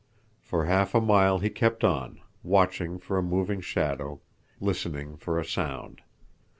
For half a mile he kept on, watching for a moving shadow, listening for a sound.